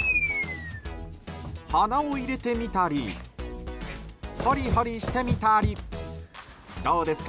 鼻を入れてみたりホリホリしてみたりどうですか？